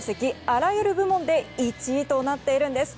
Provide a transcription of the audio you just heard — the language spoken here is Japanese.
あらゆる部門で１位となっているんです。